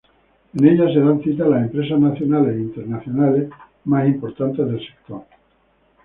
En ella se dan cita las empresas nacionales e internacionales más importantes del sector.